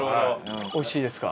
美味しいですか？